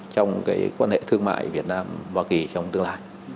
trong quan hệ thương mại việt nam hoa kỳ trong tương lai